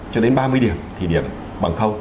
cho đến ba mươi điểm thì điểm bằng